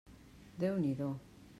Déu n'hi do!